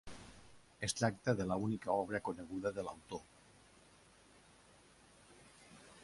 Es tracta de l'única obra coneguda de l'autor.